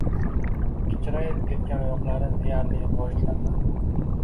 Kichrayib ketgan oyoqlari deyarli rivojlanmadi